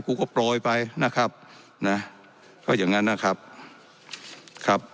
กูก็โปรยไปนะครับนะก็อย่างงั้นนะครับครับ